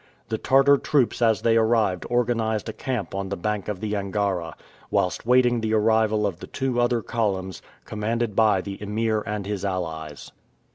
The Tartar troops as they arrived organized a camp on the bank of the Angara, whilst waiting the arrival of the two other columns, commanded by the Emir and his allies.